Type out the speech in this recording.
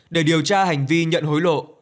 để điều tra hành vi nhận hối lộ